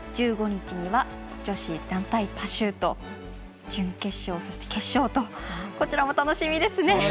１５日には女子団体パシュート準決勝そして決勝とこちらも楽しみですね。